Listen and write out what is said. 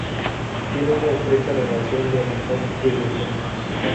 Tienen una estrecha relación de amistad desde entonces.